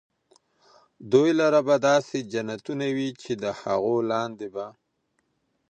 دوى لره به داسي جنتونه وي چي د هغو لاندي به